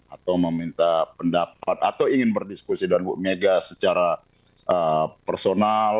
atau meminta pendapat atau ingin berdiskusi dengan bu mega secara personal